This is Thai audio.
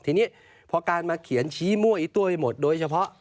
ทีนี้พอการมาเขียนชี้มั่วอีตัวไปหมดโดยเฉพาะ